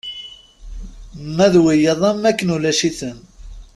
Ma d wiyaḍ am wakken ulac-iten.